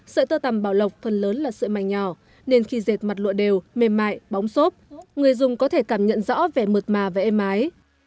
sợi tơ tầm bảo lộc phần lớn là sợi mành nhỏ nên khi dệt mặt lụa đều mềm mại bóng xốp người dùng có thể cảm nhận rõ vẻ mượt mà và êm ái